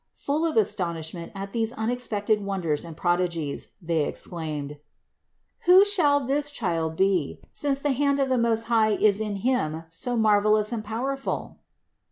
Full of astonishment at these unexpected wonders and prodigies, they exclaimed : "Who shall this child be, since the hand of the Most High is in him so marvelous and powerful?"